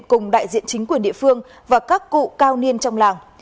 cùng đại diện chính quyền địa phương và các cụ cao niên trong làng